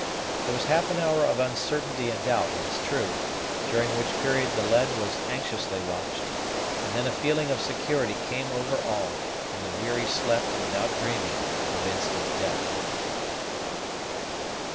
There was half an hour of uncertainty and doubt, it is true, during which period the lead was anxiously watched; and then a feeling of security came over all, and the weary slept without dreaming of instant death.